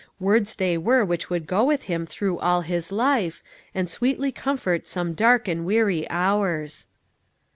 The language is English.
Words they were which would go with him through all his life, and sweetly comfort some dark and weary hours.